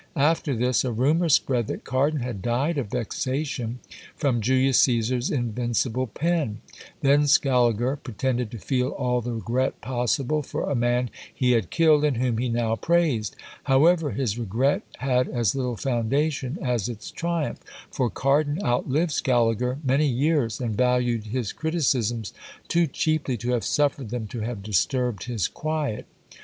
After this, a rumour spread that Cardan had died of vexation from Julius Cæsar's invincible pen; then Scaliger pretended to feel all the regret possible for a man he had killed, and whom he now praised: however, his regret had as little foundation as his triumph; for Cardan outlived Scaliger many years, and valued his criticisms too cheaply to have suffered them to have disturbed his quiet.